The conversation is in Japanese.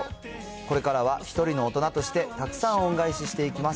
これからは一人の大人としてたくさん恩返ししていきます。